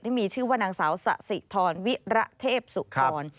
ที่มีชื่อว่านางสาวสะสิทรวิระเทพสุธร